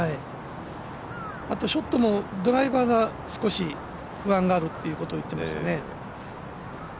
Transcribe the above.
あとショットもドライバーが少し、不安があるということを言っていましたね。